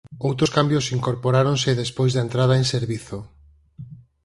Outros cambios incorporáronse despois da entrada en servizo.